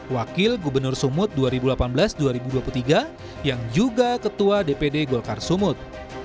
wakil gubernur sumut dua ribu delapan belas dua ribu dua puluh tiga yang juga ketua dpd golkar sumut